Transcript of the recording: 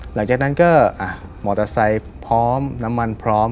หลังจากนั้นก็มอเตอร์ไซค์พร้อมน้ำมันพร้อม